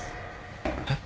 えっ？